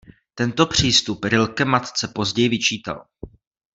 Tento přístup Rilke matce později vyčítal.